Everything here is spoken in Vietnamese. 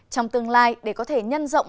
trong tương lai để có thể nhân rộng